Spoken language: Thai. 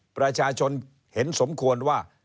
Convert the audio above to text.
ประชาชนเห็นสมควรว่า